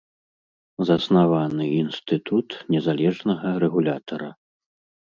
Заснаваны інстытут незалежнага рэгулятара.